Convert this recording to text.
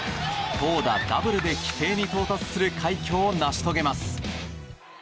投打ダブルで規定に到達する快挙を成し遂げます。